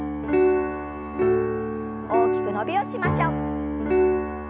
大きく伸びをしましょう。